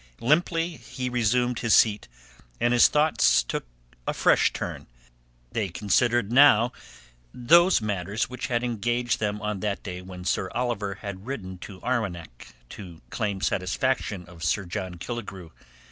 Limply he resumed his seat, and his thoughts took a fresh turn. They considered now those matters which had engaged them on that day when Sir Oliver had ridden to Arwenack to claim satisfaction of Sir John Killigrew.